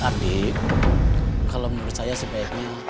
tadi kalau menurut saya sebaiknya